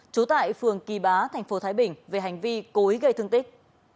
chú tại phường kỳ bá tp thái bình về hành vi cố ý gây thương tích